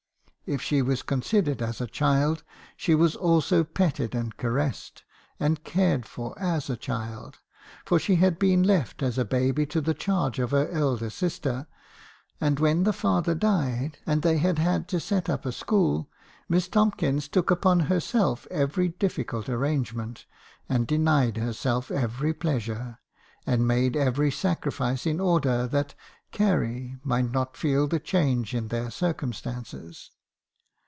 If she was considered as a child, she was also petted and caressed, and cared for as a child; for she had been left as a baby to the charge of her elder sister; and when the father died, and they had to set up a school, Miss Tomkinson took upon herself every difficult arrangement, and denied herself every pleasure, and made every sacrifice in order that 'Carry' might not feel the change in their circumstances.